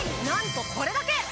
なんとこれだけ！